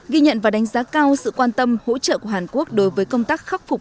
ghi nhận và đánh giá cao sự quan tâm hỗ trợ của hàn quốc đối với công tác khắc phục